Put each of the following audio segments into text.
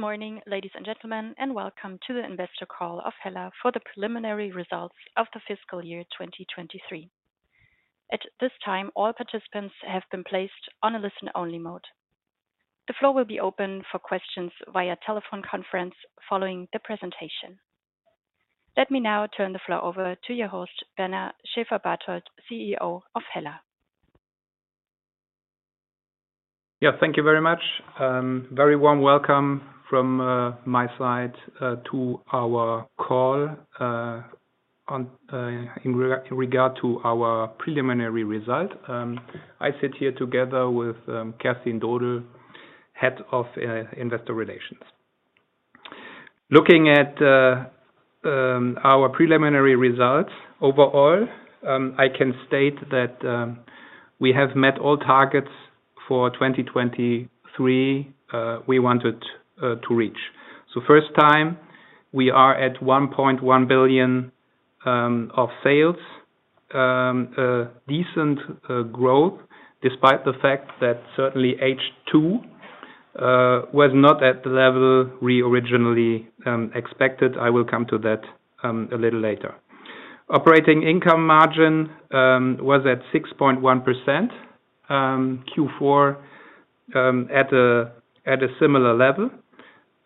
Good morning, ladies and gentlemen, and welcome to the investor call of Hella for the preliminary results of the fiscal year 2023. At this time, all participants have been placed on a listen-only mode. The floor will be open for questions via telephone conference following the presentation. Let me now turn the floor over to your host, Bernard Schäferbarthold, CEO of Hella. Yeah, thank you very much. Very warm welcome from my side to our call on in regard to our preliminary result. I sit here together with Kerstin Dodel, Head of Investor Relations. Looking at our preliminary results overall, I can state that we have met all targets for 2023 we wanted to reach. So first time, we are at 1.1 billion of sales. A decent growth, despite the fact that certainly H2 was not at the level we originally expected. I will come to that a little later. Operating income margin was at 6.1%. Q4 at a similar level.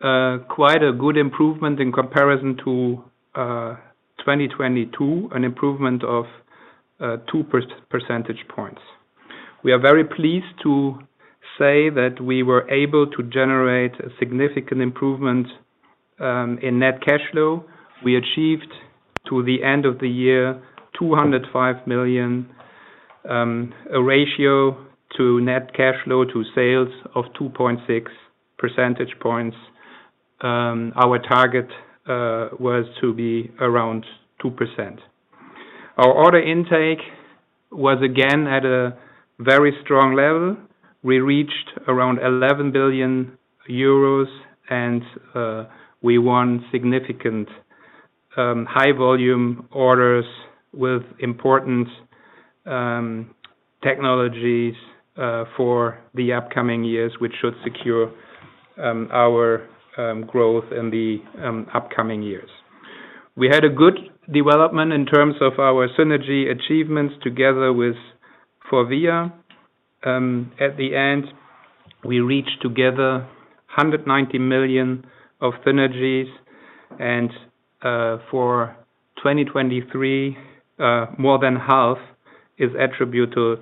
Quite a good improvement in comparison to 2022, an improvement of two percentage points. We are very pleased to say that we were able to generate a significant improvement in net cash flow. We achieved, to the end of the year, 205 million, a ratio of net cash flow to sales of 2.6 percentage points. Our target was to be around 2%. Our order intake was again at a very strong level. We reached around 11 billion euros and we won significant high volume orders with important technologies for the upcoming years, which should secure our growth in the upcoming years. We had a good development in terms of our synergy achievements together with FORVIA. At the end, we reached together 190 million of synergies, and for 2023, more than half is attributable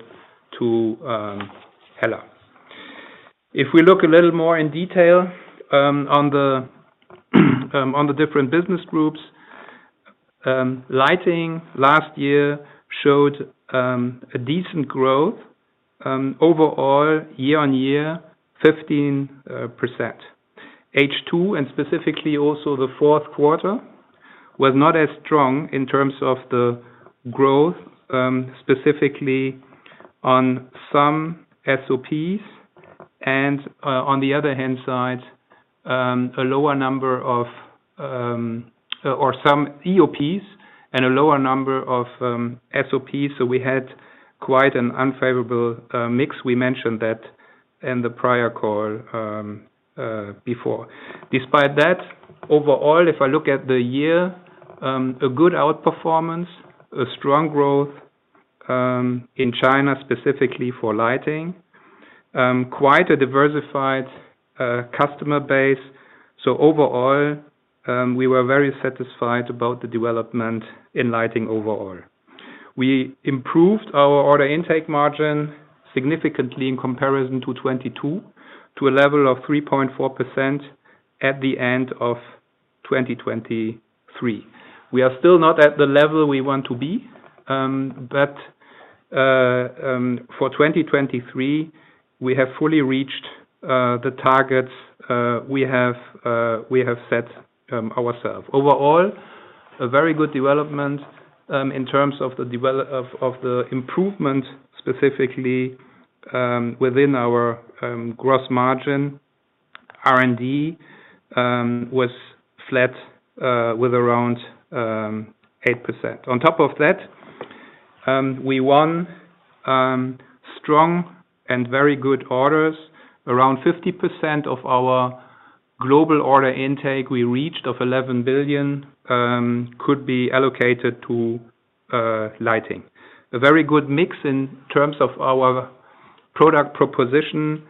to HELLA. If we look a little more in detail on the different business groups. Lighting last year showed a decent growth overall, year-on-year, 15%. H2, and specifically also the fourth quarter, was not as strong in terms of the growth, specifically on some SOPs and on the other hand side, a lower number of or some EOPs and a lower number of SOPs. So we had quite an unfavorable mix. We mentioned that in the prior call before. Despite that, overall, if I look at the year, a good outperformance, a strong growth in China, specifically for lighting. Quite a diversified customer base. So overall, we were very satisfied about the development in lighting overall. We improved our order intake margin significantly in comparison to 2022, to a level of 3.4% at the end of 2023. We are still not at the level we want to be, but for 2023, we have fully reached the targets we have set ourselves. Overall, a very good development in terms of the development of the improvement, specifically within our gross margin. R&D was flat with around 8%. On top of that, we won strong and very good orders. Around 50% of our global order intake we reached of 11 billion could be allocated to lighting. A very good mix in terms of our product proposition,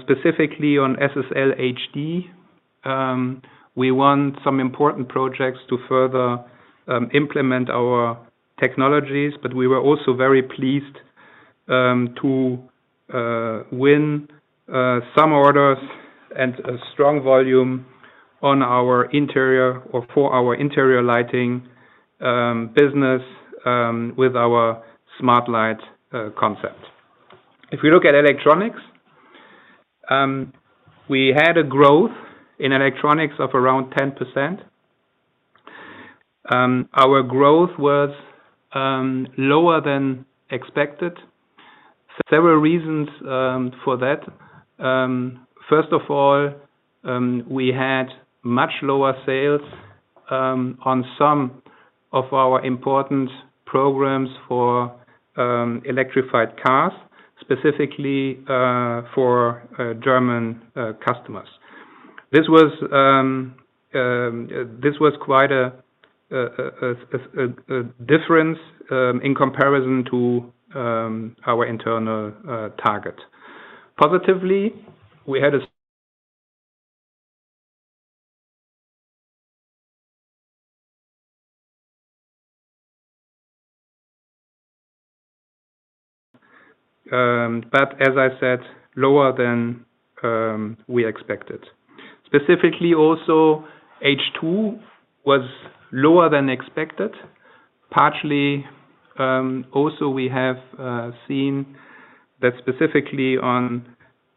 specifically on SSL HD. We won some important projects to further implement our technologies, but we were also very pleased to win some orders and a strong volume on our interior or for our interior lighting business with our smart light concept. If we look at electronics, we had a growth in electronics of around 10%. Our growth was lower than expected. Several reasons for that. First of all, we had much lower sales on some of our important programs for electrified cars, specifically for German customers. This was quite a difference in comparison to our internal target. Positively, we had a- but as I said, lower than we expected. Specifically, also, H2 was lower than expected. Partially, also we have seen that specifically on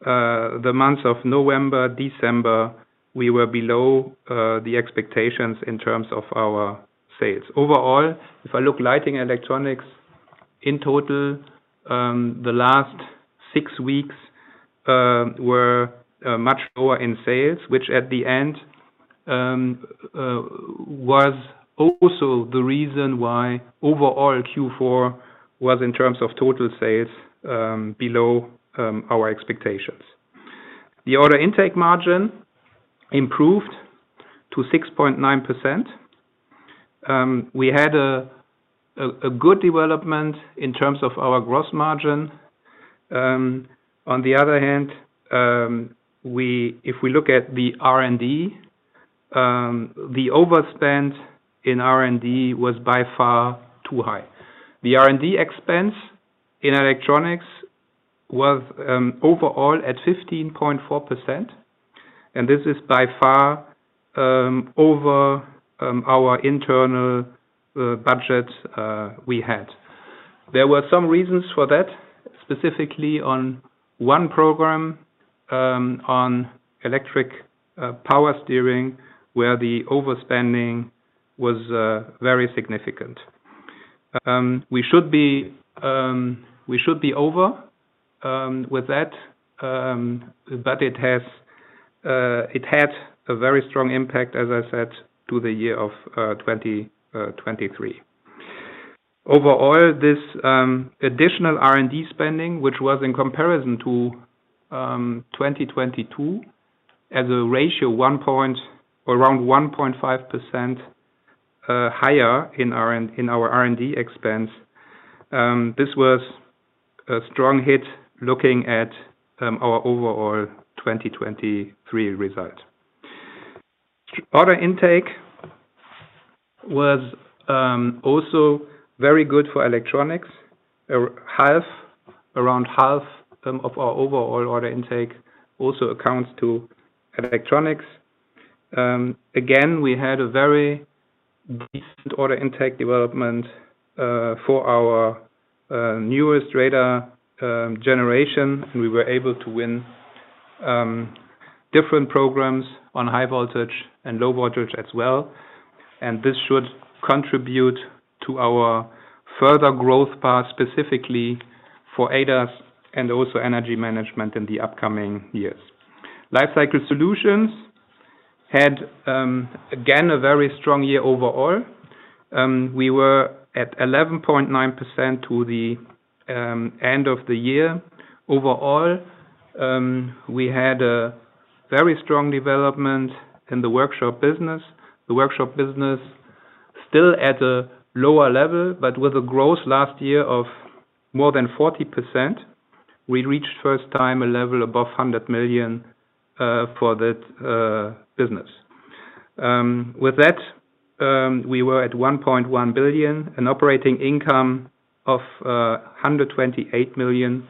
the months of November, December, we were below the expectations in terms of our sales. Overall, if I look lighting electronics, in total, the last six weeks were much lower in sales, which at the end was also the reason why overall Q4 was, in terms of total sales, below our expectations. The order intake margin improved to 6.9%. We had a good development in terms of our gross margin. On the other hand, if we look at the R&D, the overspend in R&D was by far too high. The R&D expense in electronics was overall at 15.4%, and this is by far over our internal budget we had. There were some reasons for that, specifically on one program, on electric power steering, where the overspending was very significant. We should be over with that, but it had a very strong impact, as I said, to the year of twenty twenty-three. Overall, this additional R&D spending, which was in comparison to twenty twenty-two, as a ratio, around 1.5% higher in our R&D expense, this was a strong hit looking at our overall twenty twenty-three result. Order intake was also very good for electronics. Half, around half, of our overall order intake also accounts to electronics. Again, we had a very decent order intake development, for our newest radar generation. We were able to win different programs on high voltage and low voltage as well, and this should contribute to our further growth path, specifically for ADAS and also energy management in the upcoming years. Life cycle solutions had again a very strong year overall. We were at 11.9% to the end of the year. Overall, we had a very strong development in the workshop business. The workshop business still at a lower level, but with a growth last year of more than 40%, we reached, for the first time, a level above 100 million for that business. With that, we were at 1.1 billion, an operating income of 128 million,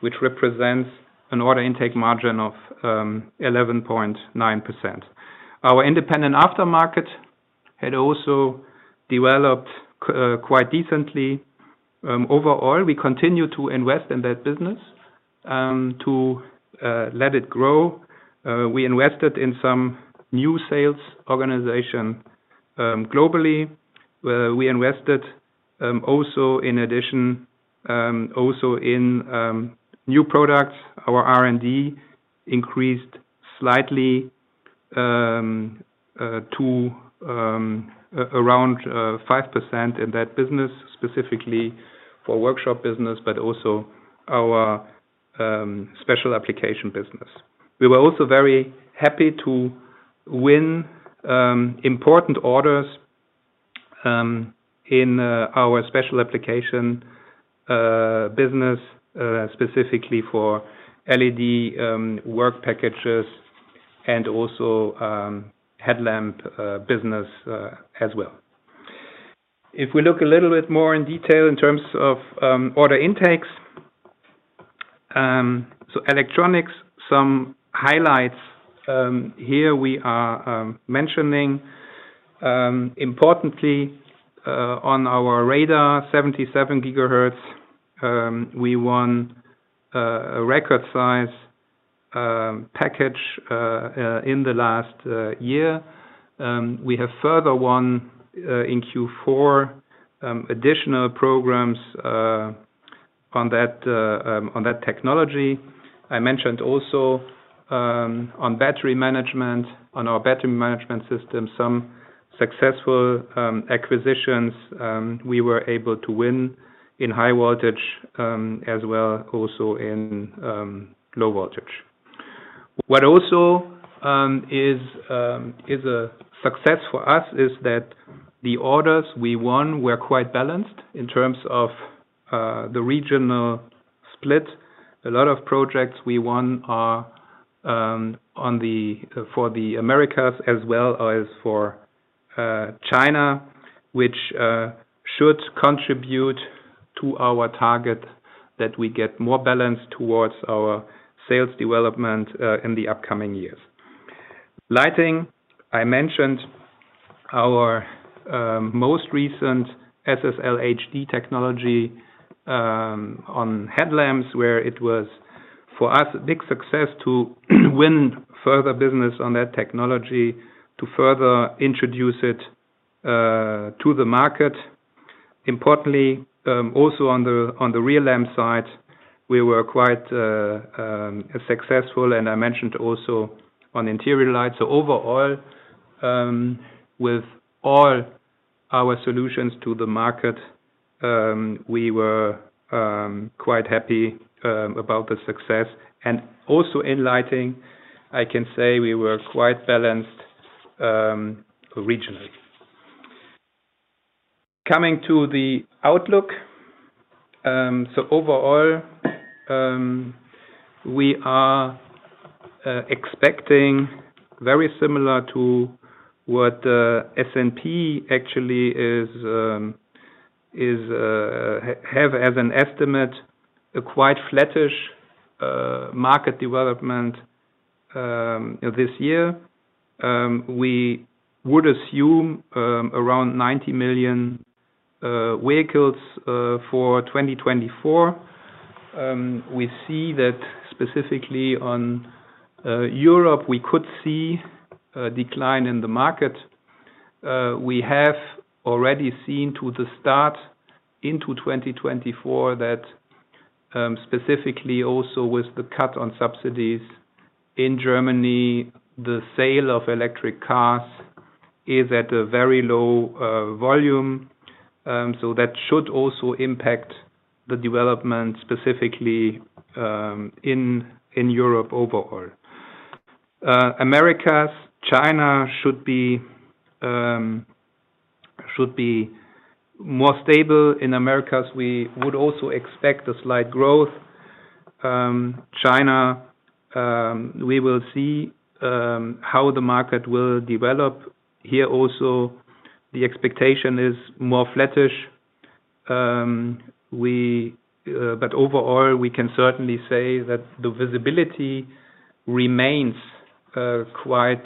which represents an order intake margin of 11.9%. Our independent aftermarket had also developed quite decently. Overall, we continue to invest in that business to let it grow. We invested in some new sales organization globally. We invested also in addition also in new products. Our R&D increased slightly to around 5% in that business, specifically for workshop business, but also our special application business. We were also very happy to win important orders in our special application business, specifically for LED work packages and also headlamp business as well. If we look a little bit more in detail in terms of order intakes. So electronics, some highlights, here we are mentioning importantly on our radar, 77 GHz, we won a record size package in the last year. We have further won in Q4 additional programs on that technology I mentioned also on battery management on our battery management system some successful acquisitions we were able to win in high voltage as well also in low voltage. What also is a success for us is that the orders we won were quite balanced in terms of the regional split. A lot of projects we won are for the Americas as well as for China, which should contribute to our target that we get more balance towards our sales development in the upcoming years. Lighting, I mentioned our most recent SSL HD technology on headlamps, where it was for us a big success to win further business on that technology, to further introduce it to the market. Importantly, also on the rear lamp side, we were quite successful, and I mentioned also on interior lights. So overall, with all our solutions to the market, we were quite happy about the success. And also in lighting, I can say we were quite balanced regionally. Coming to the outlook. So overall, we are expecting very similar to what S&P actually has as an estimate, a quite flattish market development this year. We would assume around 90 million vehicles for 2024. We see that specifically on Europe, we could see a decline in the market. We have already seen to the start into 2024, that, specifically also with the cut on subsidies in Germany, the sale of electric cars is at a very low volume. So that should also impact the development specifically, in Europe overall. Americas, China should be more stable. In Americas, we would also expect a slight growth. China, we will see how the market will develop. Here, also, the expectation is more flattish. But overall, we can certainly say that the visibility remains quite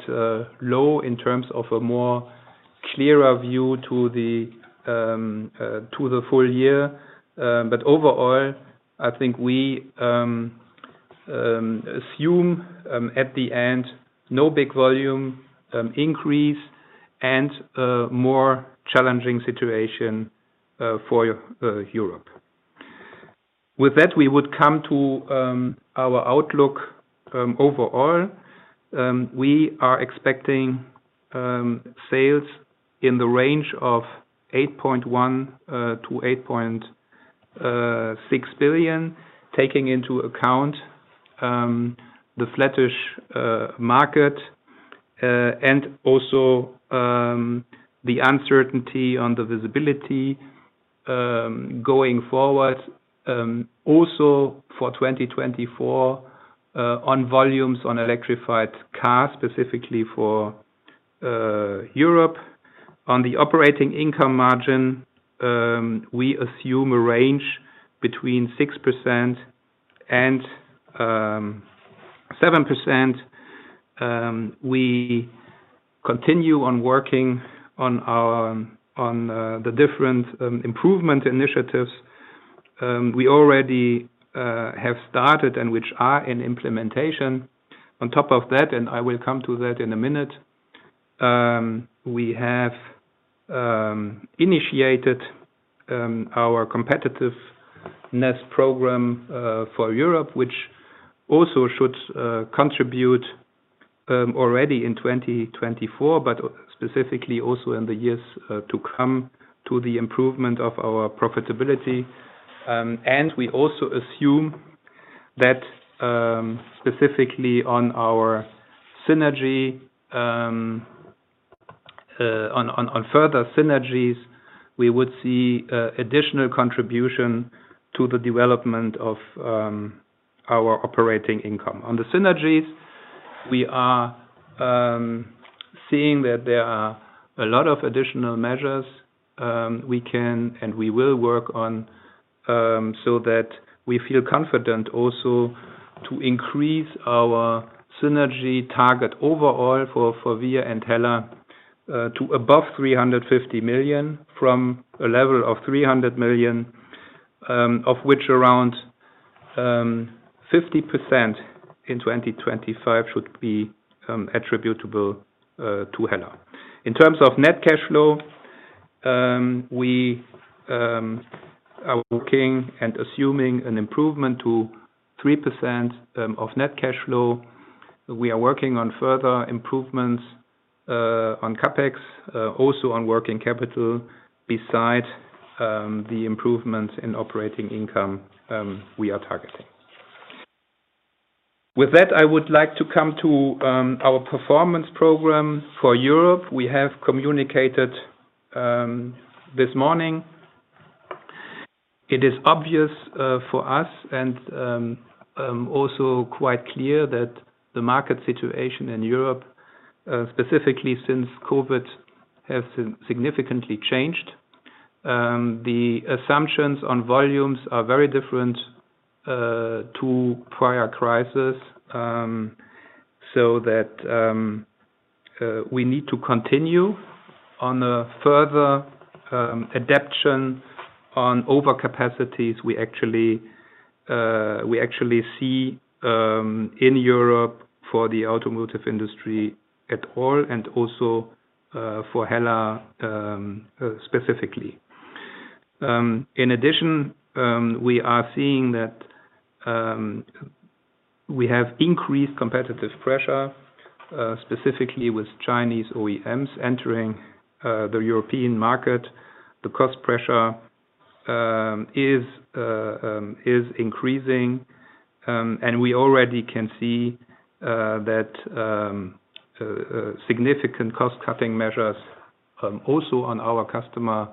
low in terms of a more clearer view to the full year. But overall, I think we assume at the end, no big volume increase, and more challenging situation for Europe. With that, we would come to our outlook. Overall, we are expecting sales in the range of 8.1 billion-8.6 billion, taking into account the flattish market and also the uncertainty on the visibility going forward, also for 2024 on volumes on electrified cars, specifically for Europe. On the operating income margin, we assume a range between 6% and 7%. We continue on working on the different improvement initiatives we already have started and which are in implementation. On top of that, and I will come to that in a minute, we have initiated our competitiveness program for Europe, which also should contribute already in 2024, but specifically also in the years to come to the improvement of our profitability. And we also assume that, specifically on our synergy, on further synergies, we would see additional contribution to the development of our operating income. On the synergies, we are seeing that there are a lot of additional measures we can and we will work on, so that we feel confident also to increase our synergy target overall for FORVIA and HELLA, to above 350 million, from a level of 300 million, of which around-... 50% in 2025 should be attributable to Hella. In terms of net cash flow, we are working and assuming an improvement to 3% of net cash flow. We are working on further improvements on CapEx, also on working capital, besides the improvements in operating income we are targeting. With that, I would like to come to our performance program for Europe. We have communicated this morning. It is obvious for us and also quite clear that the market situation in Europe, specifically since COVID, has significantly changed. The assumptions on volumes are very different to prior crisis. So that we need to continue on a further adaptation on overcapacities. We actually, we actually see in Europe for the automotive industry at all, and also for Hella specifically. In addition, we are seeing that we have increased competitive pressure specifically with Chinese OEMs entering the European market. The cost pressure is increasing, and we already can see that significant cost-cutting measures also on our customer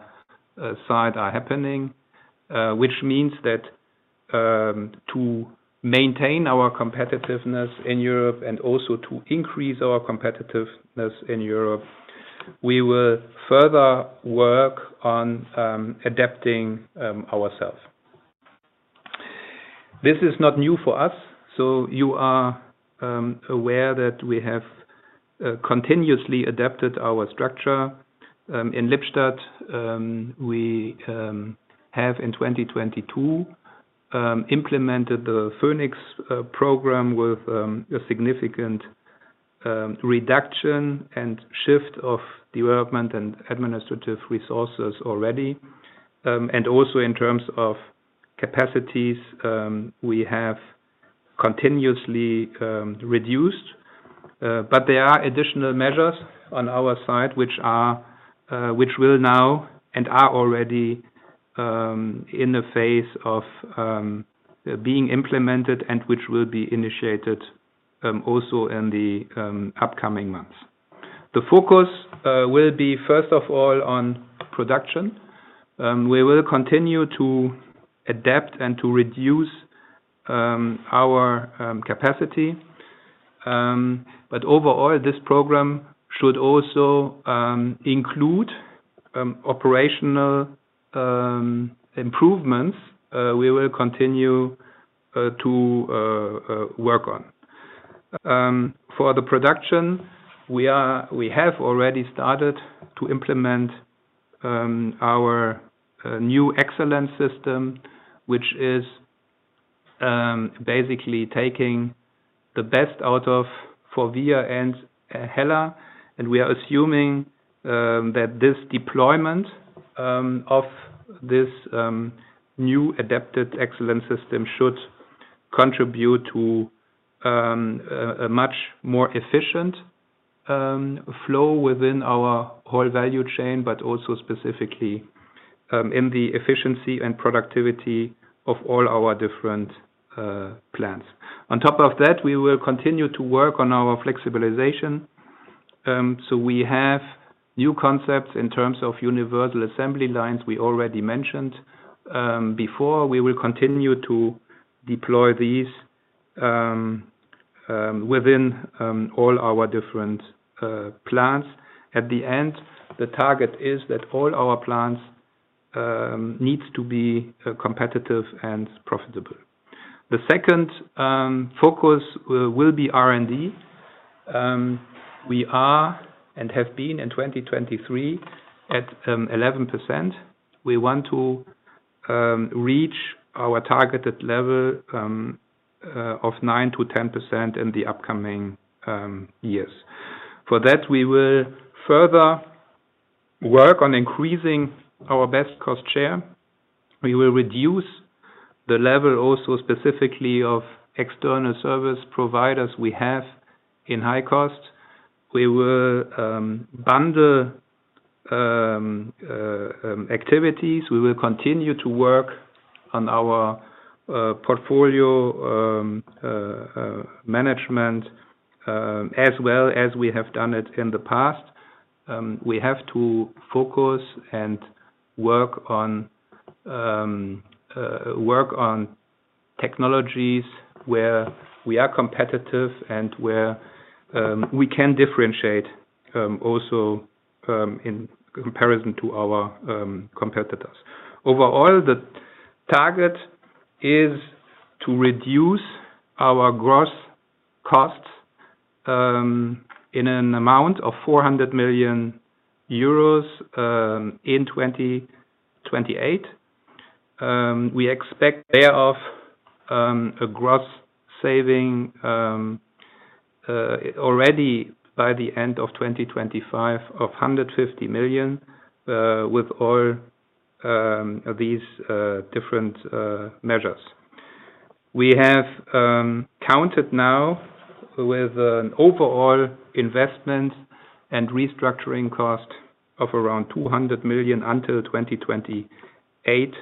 side are happening. Which means that to maintain our competitiveness in Europe and also to increase our competitiveness in Europe, we will further work on adapting ourselves. This is not new for us, so you are aware that we have continuously adapted our structure. In Lippstadt, we have in 2022 implemented the Phoenix program with a significant reduction and shift of development and administrative resources already. And also in terms of capacities, we have continuously reduced. But there are additional measures on our side, which will now and are already in the phase of being implemented, and which will be initiated also in the upcoming months. The focus will be, first of all, on production. We will continue to adapt and to reduce our capacity. But overall, this program should also include operational improvements we will continue to work on. For the production, we have already started to implement our new excellence system, which is basically taking the best out of FORVIA and HELLA. And we are assuming that this deployment of this new adapted excellence system should contribute to a much more efficient flow within our whole value chain, but also specifically in the efficiency and productivity of all our different plants. On top of that, we will continue to work on our flexibilization. So we have new concepts in terms of universal assembly lines we already mentioned before. We will continue to deploy these within all our different plants. At the end, the target is that all our plants needs to be competitive and profitable. The second focus will be R&D. We are and have been in 2023 at 11%. We want to reach our targeted level of 9%-10% in the upcoming years. For that, we will further work on increasing our best cost share. We will reduce the level, also specifically of external service providers we have in high cost. We will bundle activities. We will continue to work on our portfolio management as well as we have done it in the past. We have to focus and work on technologies where we are competitive, and where we can differentiate also in comparison to our competitors. Overall, the target is to reduce our gross costs in an amount of 400 million euros in 2028. We expect thereof a gross saving already by the end of 2025 of 150 million with all these different measures. We have counted now with an overall investment and restructuring cost of around 200 million until 2028, with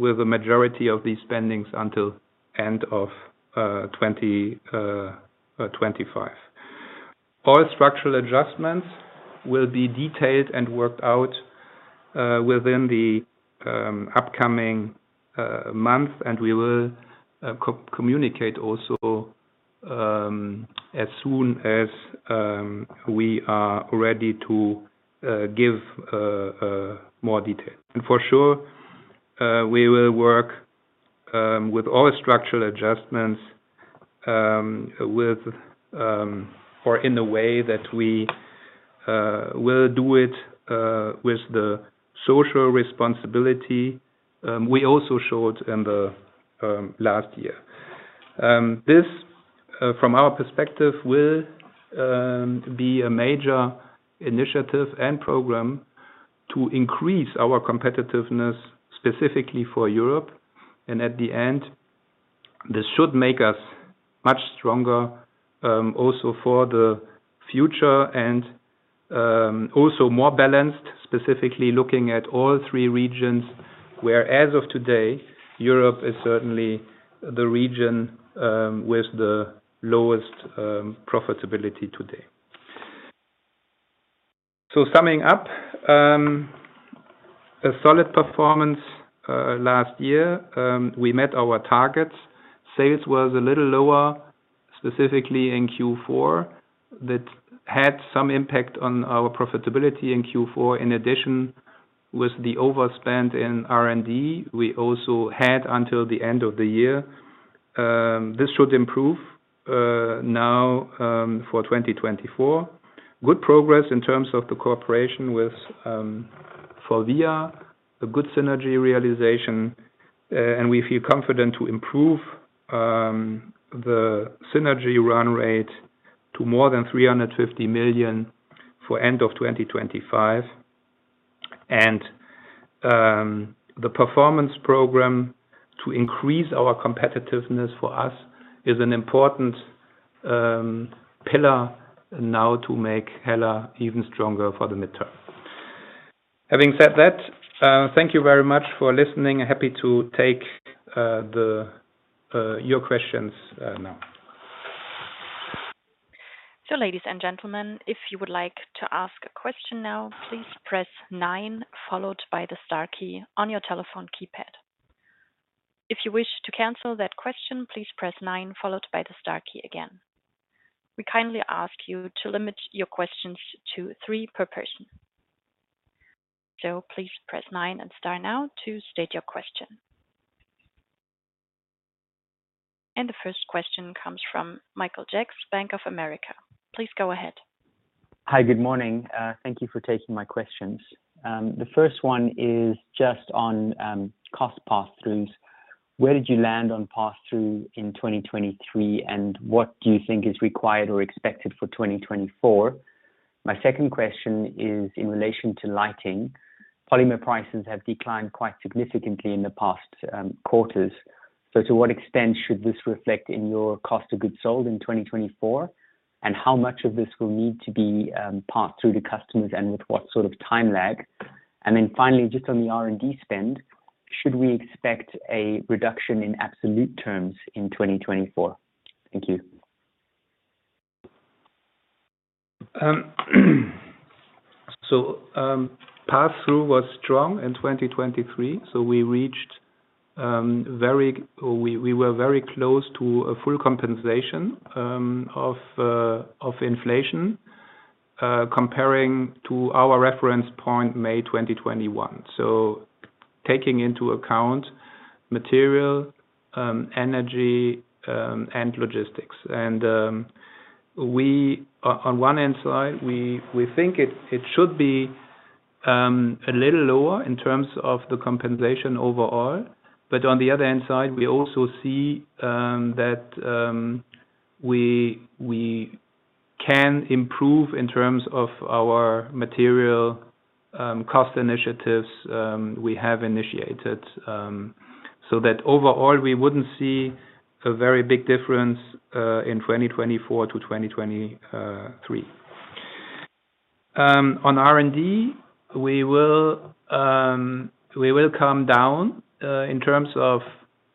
the majority of these spendings until end of 2025. All structural adjustments will be detailed and worked out within the upcoming month, and we will co-communicate also as soon as we are ready to give more detail. And for sure we will work with all structural adjustments with or in the way that we will do it with the social responsibility we also showed in the last year. This from our perspective will be a major initiative and program to increase our competitiveness, specifically for Europe. And at the end, this should make us much stronger, also for the future and also more balanced, specifically looking at all three regions, where as of today, Europe is certainly the region with the lowest profitability today. So summing up, a solid performance last year, we met our targets. Sales was a little lower, specifically in Q4. That had some impact on our profitability in Q4. In addition, with the overspend in R&D, we also had until the end of the year. This should improve now for 2024. Good progress in terms of the cooperation with FORVIA, a good synergy realization, and we feel confident to improve the synergy run rate to more than 350 million for end of 2025. The performance program to increase our competitiveness for us is an important pillar now to make HELLA even stronger for the midterm. Having said that, thank you very much for listening. Happy to take your questions now. So ladies and gentlemen, if you would like to ask a question now, please press nine, followed by the star key on your telephone keypad. If you wish to cancel that question, please press nine, followed by the star key again. We kindly ask you to limit your questions to three per person. So please press nine and star now to state your question. And the first question comes from Michael Jacks, Bank of America. Please go ahead. Hi, good morning. Thank you for taking my questions. The first one is just on cost pass-throughs. Where did you land on pass-through in 2023, and what do you think is required or expected for 2024? My second question is in relation to lighting. Polymer prices have declined quite significantly in the past quarters. So to what extent should this reflect in your cost of goods sold in 2024? And how much of this will need to be passed through to customers, and with what sort of time lag? And then finally, just on the R&D spend, should we expect a reduction in absolute terms in 2024? Thank you. So, pass-through was strong in 2023, so we reached very—we were very close to a full compensation of inflation, comparing to our reference point, May 2021. So taking into account material, energy, and logistics. And, we, on one hand side, we think it should be a little lower in terms of the compensation overall. But on the other hand side, we also see that we can improve in terms of our material cost initiatives we have initiated. So that overall, we wouldn't see a very big difference in 2024 to 2023. On R&D, we will come down in terms of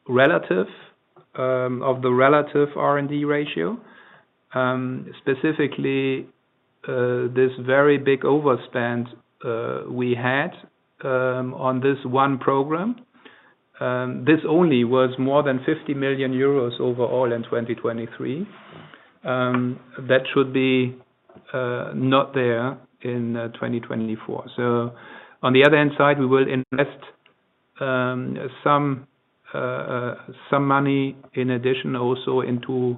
relative of the relative R&D ratio. Specifically, this very big overspend we had on this one program. This only was more than 50 million euros overall in 2023. That should not be there in 2024. So on the other hand side, we will invest some money in addition also into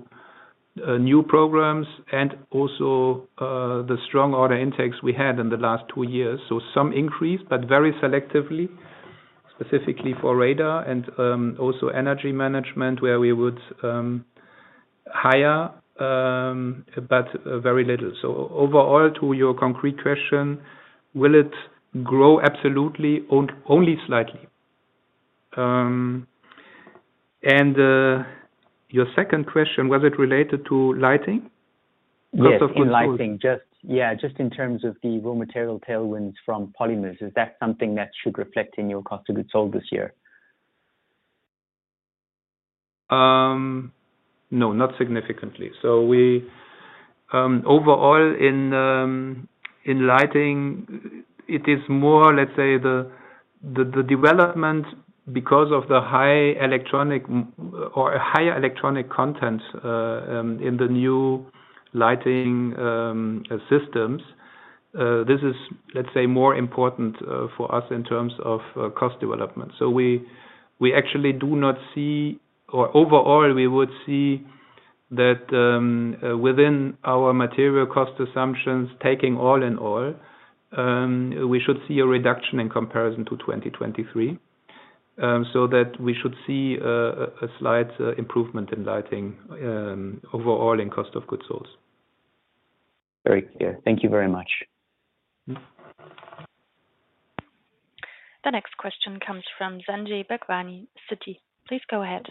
new programs and also the strong order intakes we had in the last two years. So some increase, but very selectively, specifically for radar and also energy management, where we would hire but very little. So overall, to your concrete question, will it grow? Absolutely, only slightly. And your second question, was it related to lighting? Yes, in lighting. Just, yeah, just in terms of the raw material tailwinds from polymers, is that something that should reflect in your cost of goods sold this year? No, not significantly. So we overall in lighting, it is more, let's say, the development, because of the high electronic or higher electronic content in the new lighting systems, this is, let's say, more important for us in terms of cost development. So we actually do not see or overall, we would see that within our material cost assumptions, taking all in all, we should see a reduction in comparison to 2023. So that we should see a slight improvement in lighting overall in cost of goods sold. Very clear. Thank you very much. Mm-hmm. The next question comes from Sanjay Bhagwani, Citi. Please go ahead.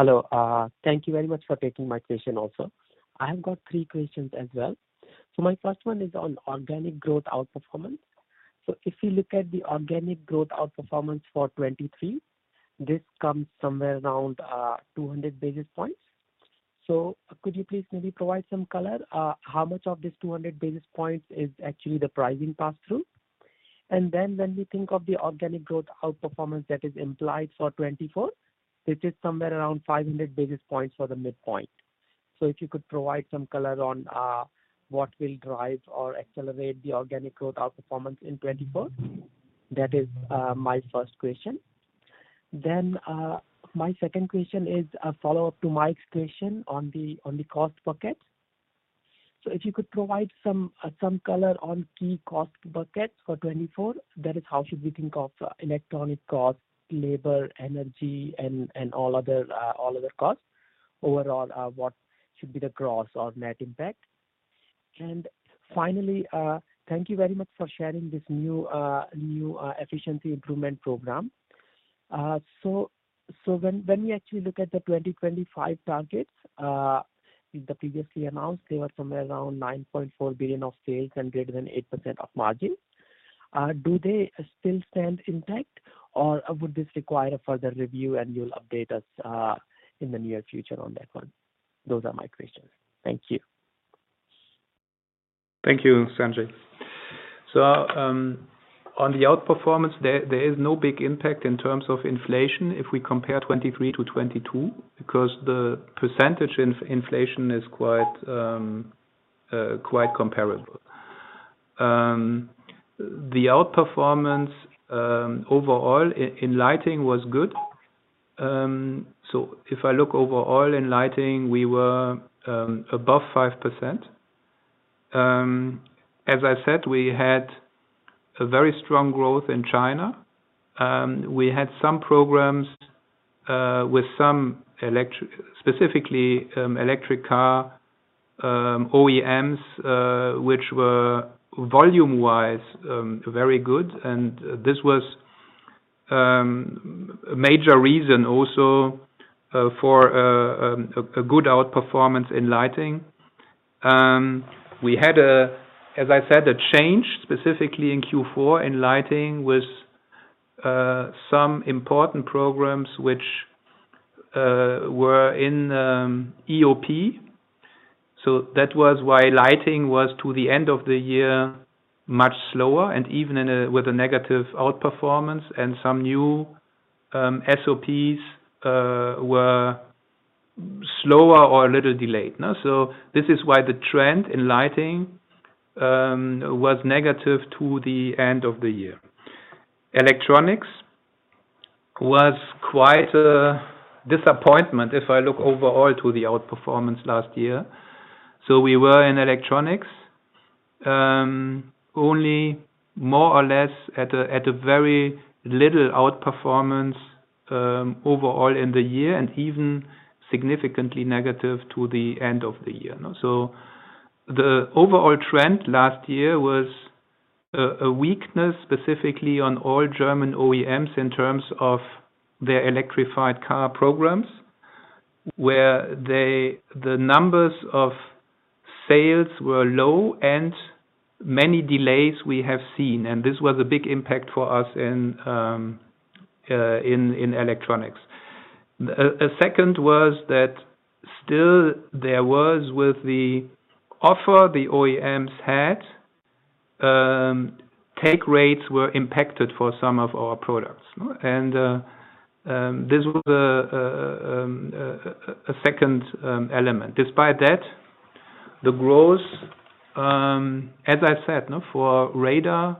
Hello. Thank you very much for taking my question also. I have got three questions as well. So my first one is on organic growth outperformance. So if you look at the organic growth outperformance for 2023, this comes somewhere around 200 basis points. So could you please maybe provide some color? How much of this 200 basis points is actually the pricing pass-through? And then when we think of the organic growth outperformance that is implied for 2024, it is somewhere around 500 basis points for the midpoint. So if you could provide some color on what will drive or accelerate the organic growth outperformance in 2024? That is my first question. Then my second question is a follow-up to Mike's question on the, on the cost bucket. So if you could provide some color on key cost buckets for 2024, that is, how should we think of electronic cost, labor, energy, and all other costs. Overall, what should be the gross or net impact? And finally, thank you very much for sharing this new efficiency improvement program. So when we actually look at the 2025 targets, in the previously announced, they were somewhere around 9.4 billion of sales and greater than 8% of margin. Do they still stand intact, or would this require a further review and you'll update us in the near future on that one? Those are my questions. Thank you. Thank you, Sanjay. So, on the outperformance, there is no big impact in terms of inflation if we compare 2023 to 2022, because the percentage in inflation is quite comparable. The outperformance overall in lighting was good. So if I look overall in lighting, we were above 5%. As I said, we had a very strong growth in China. We had some programs with some electric- specifically electric car OEMs which were volume-wise very good. And this was a major reason also for a good outperformance in lighting. We had, as I said, a change specifically in Q4 in lighting with some important programs which were in EOP. So that was why lighting was, to the end of the year, much slower, and even with a negative outperformance and some new SOPs were slower or a little delayed, no. So this is why the trend in lighting was negative to the end of the year. Electronics was quite a disappointment, if I look overall to the outperformance last year. So we were in electronics only more or less at a very little outperformance overall in the year, and even significantly negative to the end of the year, no. So the overall trend last year was a weakness, specifically on all German OEMs in terms of their electrified car programs, where they, the numbers of sales were low and many delays we have seen, and this was a big impact for us in electronics. A second was that there was still, with the offer the OEMs had, take rates were impacted for some of our products, no? And this was a second element. Despite that, the growth, as I said, you know, for radar,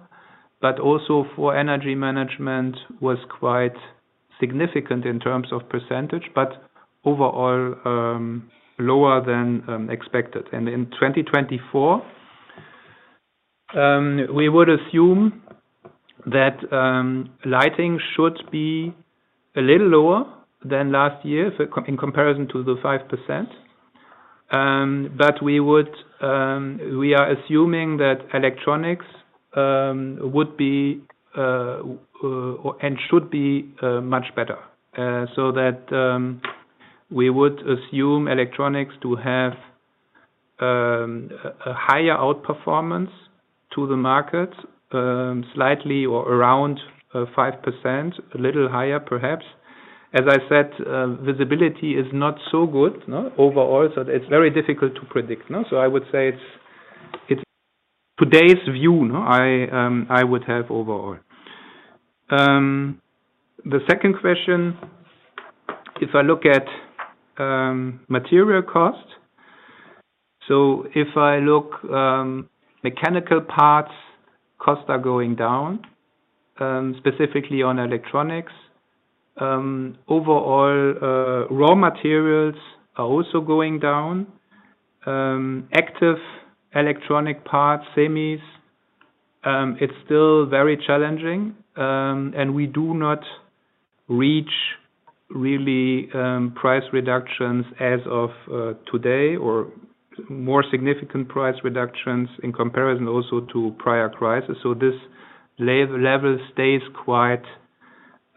but also for energy management, was quite significant in terms of percentage, but overall, lower than expected. And in 2024, we would assume that lighting should be a little lower than last year, so in comparison to the 5%. But we would, we are assuming that electronics would be and should be much better. So that we would assume electronics to have a higher outperformance to the market, slightly or around 5%, a little higher perhaps. As I said, visibility is not so good, no, overall, so it's very difficult to predict, no? So I would say it's today's view, no. I would have overall. The second question, if I look at material cost, so if I look, mechanical parts, costs are going down, specifically on electronics. Overall, raw materials are also going down. Active electronic parts, semis, it's still very challenging, and we do not reach really price reductions as of today, or more significant price reductions in comparison also to prior prices. So this level stays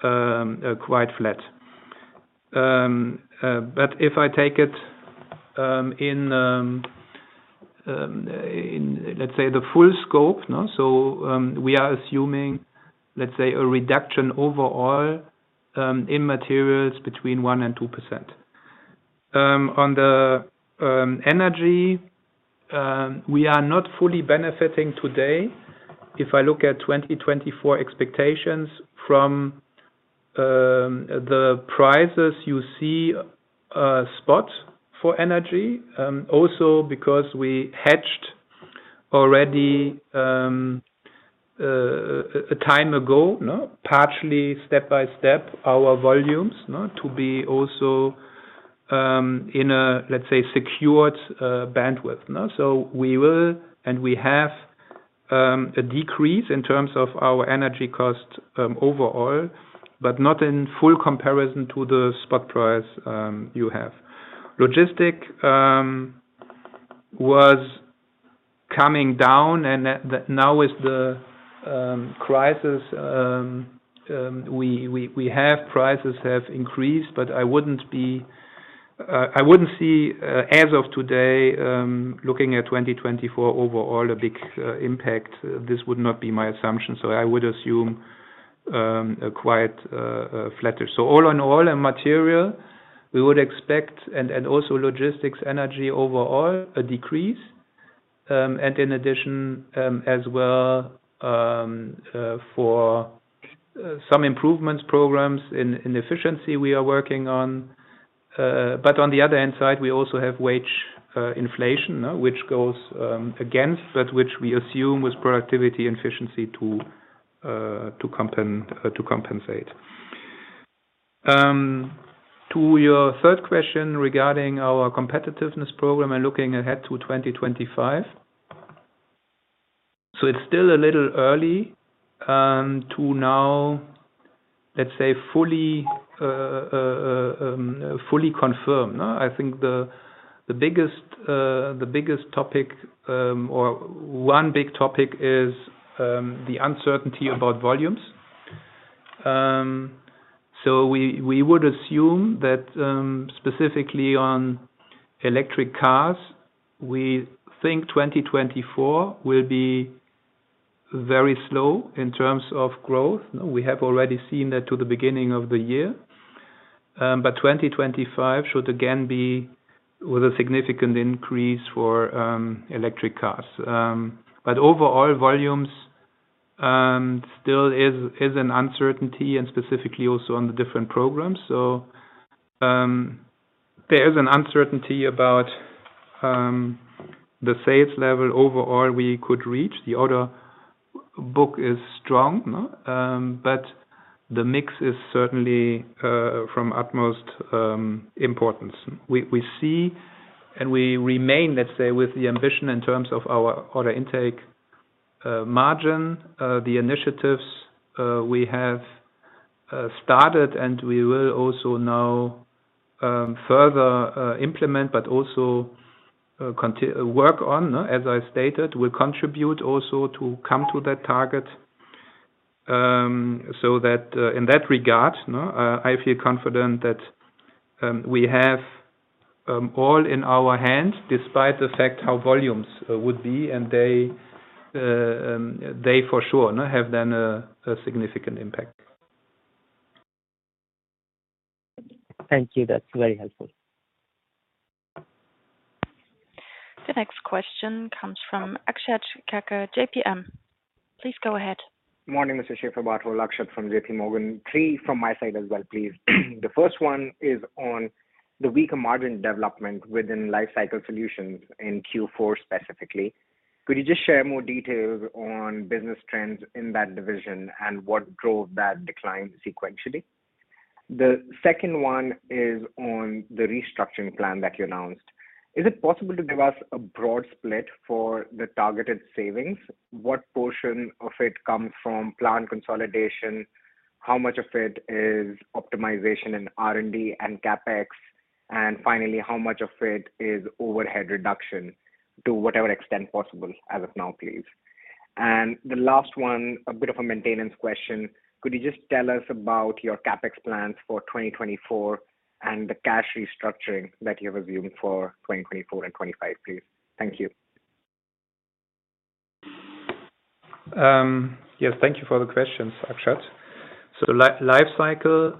quite flat. But if I take it in let's say the full scope, no? So, we are assuming, let's say, a reduction overall in materials between 1% and 2%. On the energy, we are not fully benefiting today. If I look at 2024 expectations from the prices you see, spot for energy, also because we hedged already a time ago, no, partially step by step, our volumes, no? To be also in a, let's say, secured bandwidth, no? So we will, and we have a decrease in terms of our energy cost overall, but not in full comparison to the spot price you have. Logistics was coming down, and that now with the crisis, we have prices have increased, but I wouldn't see, as of today, looking at 2024 overall, a big impact. This would not be my assumption. So I would assume a quite flatter. So all in all, in material, we would expect, and also logistics, energy overall, a decrease. And in addition, as well, for some improvements programs in efficiency we are working on. But on the other hand side, we also have wage inflation, which goes against, but which we assume with productivity and efficiency to compensate. To your third question regarding our competitiveness program and looking ahead to 2025. So it's still a little early to now, let's say, fully confirm, no? I think the biggest topic or one big topic is the uncertainty about volumes. So we would assume that specifically on electric cars, we think 2024 will be very slow in terms of growth. We have already seen that to the beginning of the year. But 2025 should again be with a significant increase for electric cars. But overall volumes still is an uncertainty and specifically also on the different programs. So, there is an uncertainty about the sales level overall we could reach. The order book is strong, but the mix is certainly from utmost importance. We see and we remain, let's say, with the ambition in terms of our order intake, margin, the initiatives we have started, and we will also now further implement, but also work on, as I stated, will contribute also to come to that target. So that in that regard, I feel confident that we have all in our hands, despite the fact how volumes would be, and they for sure have then a significant impact. Thank you. That's very helpful. The next question comes from Akshat Kacker, JPMorgan. Please go ahead. Morning, Mr. Schäferbarthold, Akshat from JPMorgan. Three from my side as well, please. The first one is on the weaker margin development within Life Cycle Solutions in Q4 specifically. Could you just share more details on business trends in that division and what drove that decline sequentially? The second one is on the restructuring plan that you announced. Is it possible to give us a broad split for the targeted savings? What portion of it comes from plan consolidation? How much of it is optimization in R&D and CapEx? And finally, how much of it is overhead reduction, to whatever extent possible as of now, please? And the last one, a bit of a maintenance question: Could you just tell us about your CapEx plans for 2024 and the cash restructuring that you have reviewed for 2024 and 2025, please? Thank you. Yes, thank you for the questions, Akshat. So Li-Life Cycle,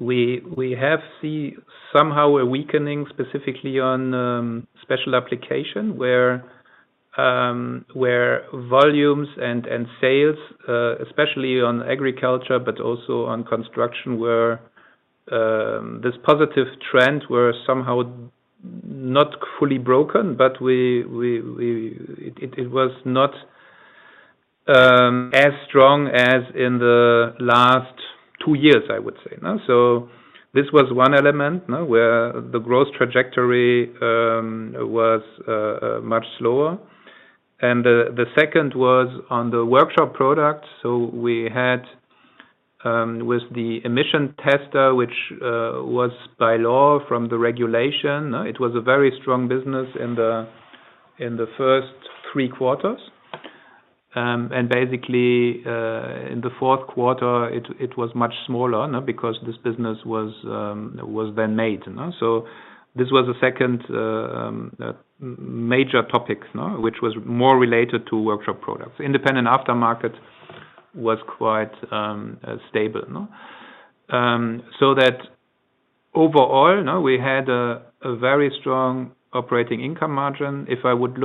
we have see somehow a weakening, specifically on special application where volumes and sales especially on agriculture, but also on construction, where this positive trend were somehow not fully broken, but it was not as strong as in the last two years, I would say, no? So this was one element, no, where the growth trajectory was much slower. And the second was on the workshop product. So we had with the emission tester, which was by law from the regulation, it was a very strong business in the first three quarters. And basically, in the fourth quarter, it was much smaller, no, because this business was then made, no? So this was the second major topic, which was more related to workshop products. Independent aftermarket was quite stable. So that overall, we had a very strong operating income margin. If I would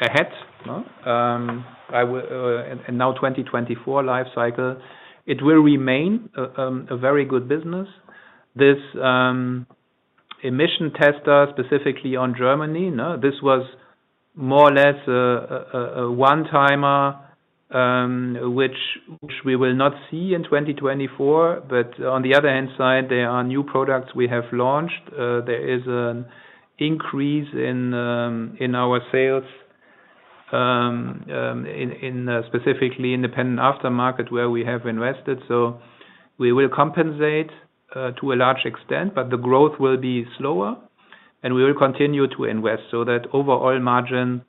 look ahead, and now 2024 life cycle, it will remain a very good business. This emission tester, specifically on Germany, this was more or less a one-timer, which we will not see in 2024. But on the other hand side, there are new products we have launched. There is an increase in our sales, in specifically independent aftermarket, where we have invested. So we will compensate to a large extent, but the growth will be slower, and we will continue to invest, so that overall margin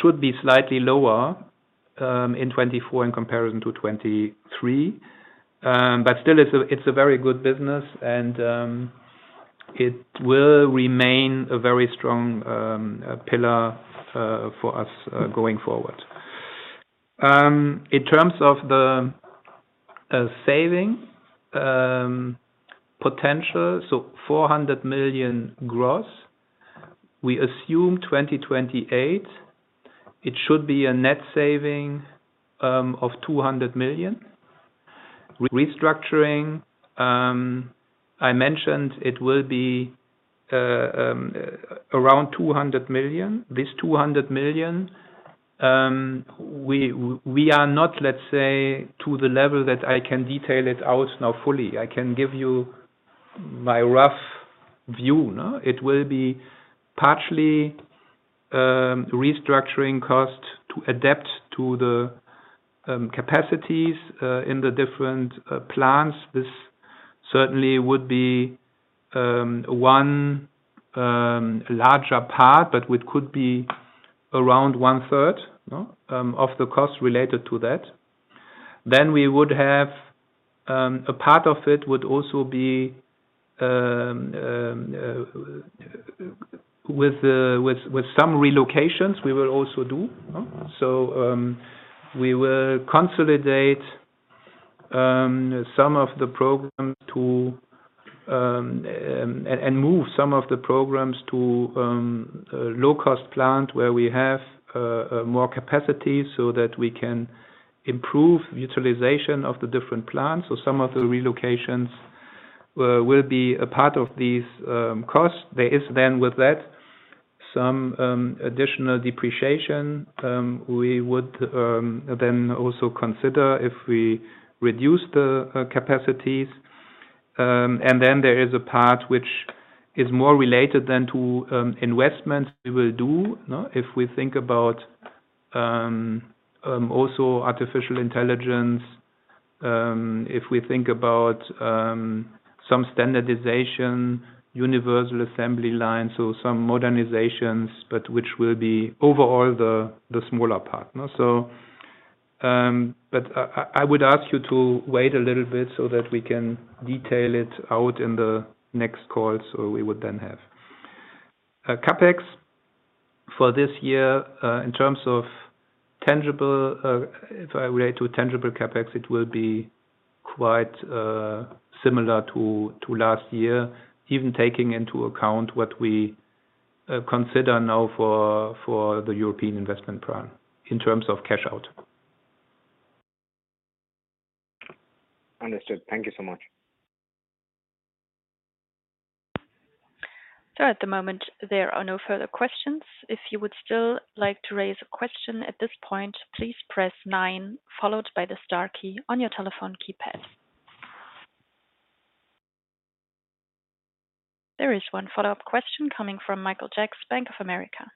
should be slightly lower in 2024 in comparison to 2023. But still, it's a very good business, and it will remain a very strong pillar for us going forward. In terms of the saving potential, so 400 million gross, we assume 2028, it should be a net saving of 200 million. Restructuring, I mentioned it will be around 200 million. This 200 million, we are not, let's say, to the level that I can detail it out now fully. I can give you my rough view, no? It will be partially restructuring costs to adapt to the capacities in the different plants. This certainly would be one larger part, but which could be around one-third of the cost related to that. Then we would have a part of it would also be with some relocations we will also do. So, we will consolidate some of the programs and move some of the programs to low-cost plant where we have more capacity, so that we can improve utilization of the different plants. So some of the relocations will be a part of these costs. There is then, with that, some additional depreciation we would then also consider if we reduce the capacities. And then there is a part which is more related to investments we will do, no, if we think about also artificial intelligence, if we think about some standardization, universal assembly lines, so some modernizations, but which will be overall the smaller part, no? So, but I would ask you to wait a little bit so that we can detail it out in the next call, so we would then have. CapEx for this year, in terms of tangible, if I relate to tangible CapEx, it will be quite similar to last year, even taking into account what we consider now for the European investment plan in terms of cash out. Understood. Thank you so much. At the moment, there are no further questions. If you would still like to raise a question at this point, please press nine, followed by the star key on your telephone keypad. There is one follow-up question coming from Michael Jacks, Bank of America.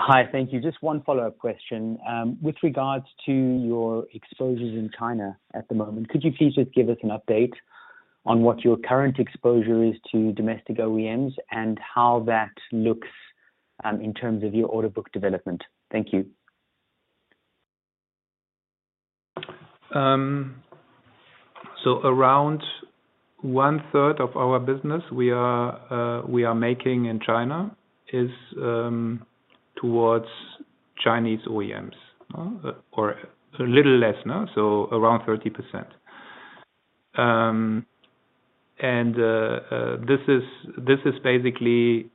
Hi, thank you. Just one follow-up question. With regards to your exposures in China at the moment, could you please just give us an update on what your current exposure is to domestic OEMs and how that looks, in terms of your order book development? Thank you. So around one third of our business, we are making in China, is towards Chinese OEMs, or a little less now, so around 30%. And this is basically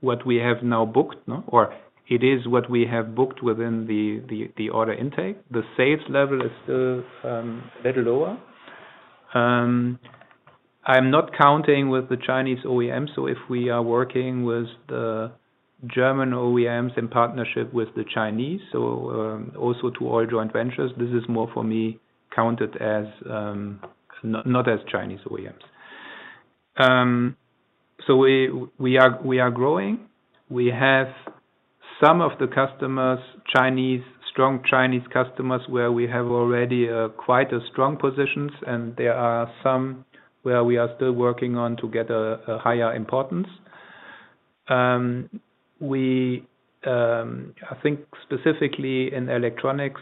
what we have now booked, no? Or it is what we have booked within the order intake. The sales level is still a little lower. I'm not counting with the Chinese OEMs, so if we are working with the German OEMs in partnership with the Chinese, so also to all joint ventures, this is more for me counted as not as Chinese OEMs. So we are growing. We have some of the customers, Chinese, strong Chinese customers, where we have already quite a strong positions, and there are some where we are still working on to get a higher importance. I think specifically in electronics,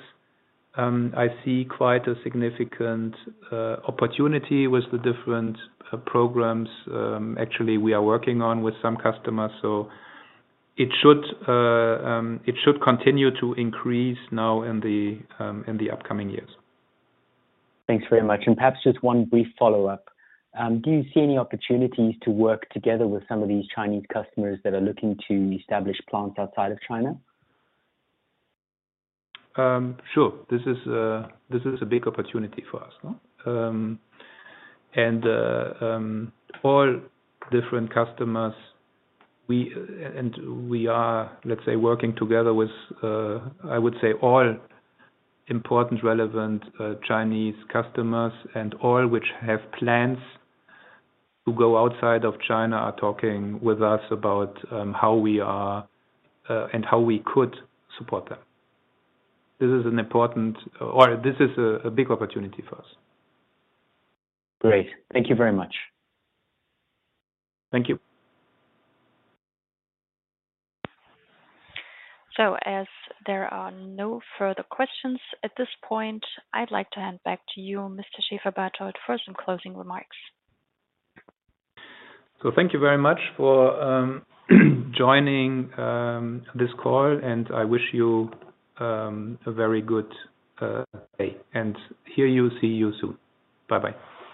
I see quite a significant opportunity with the different programs actually we are working on with some customers. So it should, it should continue to increase now in the upcoming years. Thanks very much. Perhaps just one brief follow-up. Do you see any opportunities to work together with some of these Chinese customers that are looking to establish plants outside of China? Sure. This is a big opportunity for us, no? All different customers, and we are, let's say, working together with, I would say, all important, relevant Chinese customers, and all which have plans to go outside of China are talking with us about how we are and how we could support them. This is an important, or this is a big opportunity for us. Great. Thank you very much. Thank you. So as there are no further questions at this point, I'd like to hand back to you, Mr. Schäferbarthold, for some closing remarks. So thank you very much for joining this call, and I wish you a very good day, and hear you, see you soon. Bye-bye.